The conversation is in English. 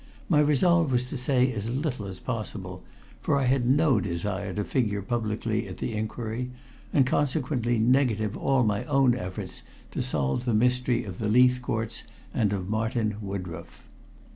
My resolve was to say as little as possible, for I had no desire to figure publicly at the inquiry, and consequently negative all my own efforts to solve the mystery of the Leithcourts and of Martin Woodroffe.